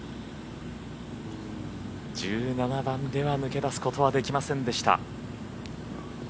１７番では抜け出すことはできませんでした。